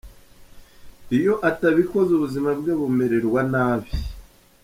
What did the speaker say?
Iyo atabikoze ubuzima bwe bumererwa nabi.